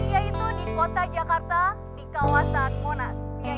yaitu di kota jakarta di kawasan monas